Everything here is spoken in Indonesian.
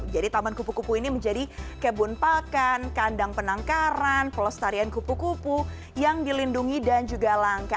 jadi taman kupu kupu ini menjadi kebun pakan kandang penangkaran pelestarian kupu kupu yang dilindungi dan juga langka